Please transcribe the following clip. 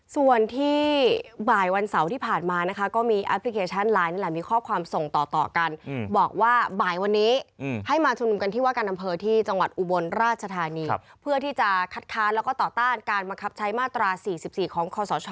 ส่วนที่บ่ายวันเสาร์ที่ผ่านมาก็มีแอปพลิเคชันไลน์